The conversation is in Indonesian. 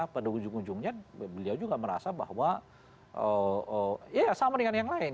pada ujung ujungnya beliau juga merasa bahwa ya sama dengan yang lain